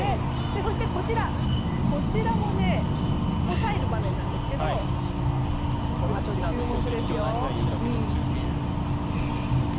そして、こちらも抑える場面ですが注目ですよ。